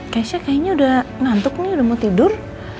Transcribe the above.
keisha kayaknya udah nantuk nih udah mau tidur